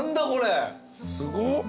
すごっ。